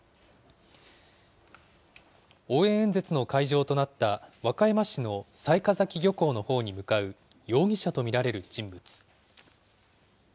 応援演説の会場となった和歌山市の雑賀崎漁港のほうに向かう容疑者と見られる人物。